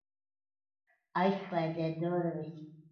Aizslēdziet durvis!